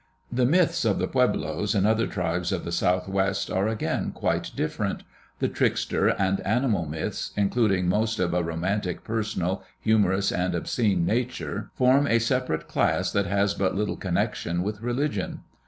The myths of the Pueblos and other tribes of the southwest are again quite different. The trickster and animal myths, including most of a romantic, personal, humorous, and obscene nature, form a separate class that has but little connection with religion.